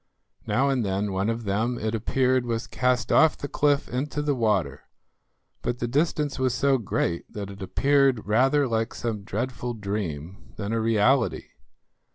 Now and then one of them, it appeared, was cast off the cliff into the water, but the distance was so great that it appeared rather like some dreadful dream than a reality.